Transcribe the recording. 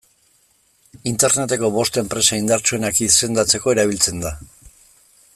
Interneteko bost enpresa indartsuenak izendatzeko erabiltzen da.